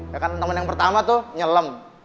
ya kan teman yang pertama tuh nyelem